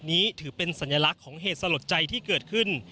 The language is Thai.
นี้ถือเป็นสัญลักษณ์ของเหตุสลดใจที่เกิดขึ้น